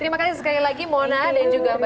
terima kasih sekali lagi mona dan juga mbak